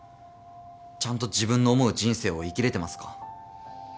ちゃんと自分の思う人生を生きれてますか？